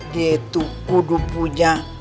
ditu kudu punya